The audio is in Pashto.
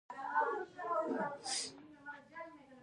کله چې افغانستان کې ولسواکي وي یتیمان پالل کیږي.